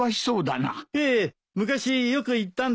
ええ昔よく行ったんです。